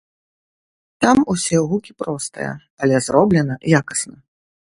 Там усе гукі простыя, але зроблена якасна.